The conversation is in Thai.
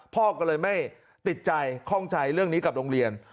พ่อก็เลยไม่ติดใจข้องใจเรื่องนี้กับโรงเรียน